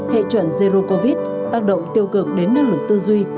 hệ chuẩn erdo covid tác động tiêu cực đến năng lực tư duy